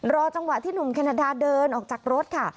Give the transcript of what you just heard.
รอจังหวะที่หนุ่มแคนาดาเดินออกจากรถค่ะ